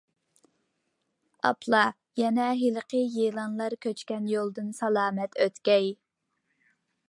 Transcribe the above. ئاپلا يەي ھېلىقى يىلانلار كۆچكەن يولدىن سالامەت ئۆتكەي.